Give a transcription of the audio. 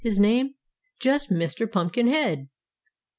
His name? Just Mister Pumpkinhead.